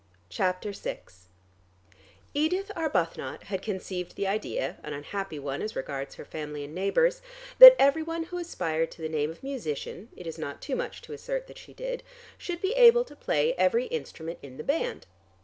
CHAPTER VI Edith Arbuthnot had conceived the idea, an unhappy one as regards her family and neighbors, that every one who aspired to the name of Musician (it is not too much to assert that she did) should be able to play every instrument in the band.